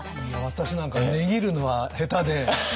私なんか値切るのは下手で。